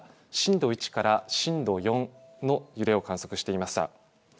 震度１から震度４の揺れを観測していました。